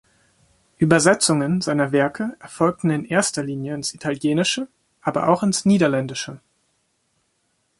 Übersetzungen seiner Werke erfolgten in erster Linie ins Italienische, aber auch ins Niederländische.